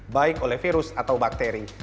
baik oleh virus atau bakteri